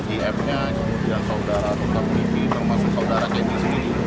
im nya kemudian saudara tuta bibi termasuk saudara kenny sendiri